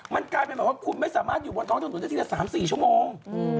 มันกลายเป็นแบบว่าคุณไม่สามารถอยู่บนท้องถนนได้ทีละ๓๔ชั่วโมง